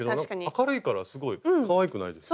明るいからすごいかわいくないですか？